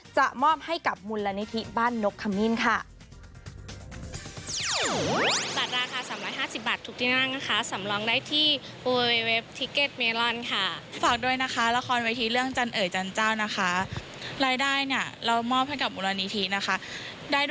จะมอบให้กับมูลนิธิบ้านนกขมิ้นค่ะ